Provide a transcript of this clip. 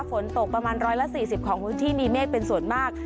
ฝนตกประมาณ๑๔๐ของพื้นที่มีเมฆเป็นส่วนมาก